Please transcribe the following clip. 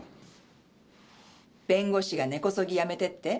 弁護士が根こそぎ辞めてって？